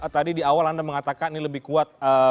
tadi di awal anda mengatakan ini lebih kuat